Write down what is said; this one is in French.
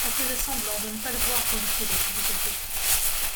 elle faisant semblant de ne pas le voir reluquer dans son décolleté.